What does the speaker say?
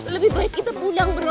lebih baik kita pulang bersama